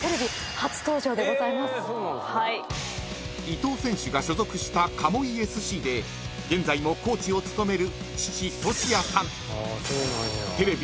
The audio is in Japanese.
［伊東選手が所属した鴨居ＳＣで現在もコーチを務める父利也さん］